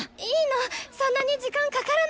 そんなに時間かからないから。